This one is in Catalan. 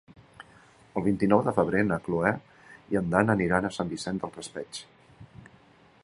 El vint-i-nou de febrer na Cloè i en Dan aniran a Sant Vicent del Raspeig.